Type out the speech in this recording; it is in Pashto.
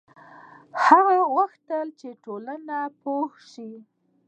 هغه غوښتل چې ټولنه پوه شي.